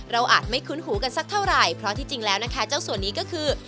อาจไม่คุ้นหูกันสักเท่าไหร่เพราะที่จริงแล้วนะคะเจ้าส่วนนี้ก็คือ